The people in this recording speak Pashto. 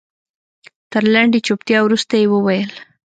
تر لنډې چوپتيا وروسته يې وويل.